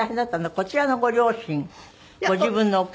こちらのご両親ご自分のお母さん。